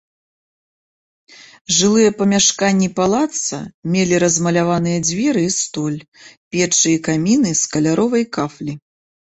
Жылыя памяшканні палаца мелі размаляваныя дзверы і столь, печы і каміны з каляровай кафлі.